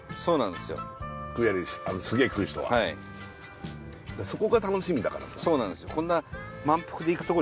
すげえ食う人ははいそこが楽しみだからさそうなんですよ